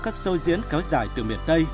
các sâu diễn kéo dài từ miền tây